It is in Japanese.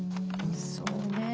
そうねえ